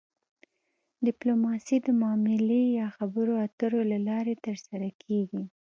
ډیپلوماسي د معاملې یا خبرو اترو له لارې ترسره کیږي